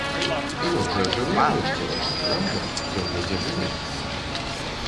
Ён жа жывы, у рэшце рэшт, праўда, ён недзе жыве?